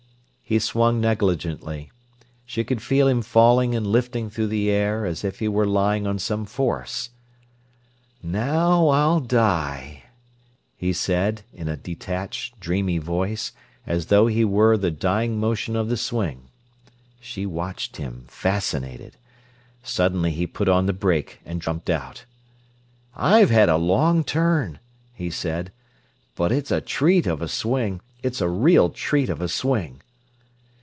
He swung negligently. She could feel him falling and lifting through the air, as if he were lying on some force. "Now I'll die," he said, in a detached, dreamy voice, as though he were the dying motion of the swing. She watched him, fascinated. Suddenly he put on the brake and jumped out. "I've had a long turn," he said. "But it's a treat of a swing—it's a real treat of a swing!"